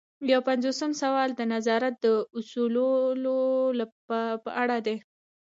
یو پنځوسم سوال د نظارت د اصولو په اړه دی.